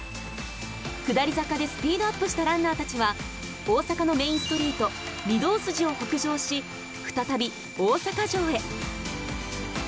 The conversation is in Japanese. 下り坂でスピードアップしたランナーたちは大阪のメインストリート御堂筋を北上し再び大阪城へ。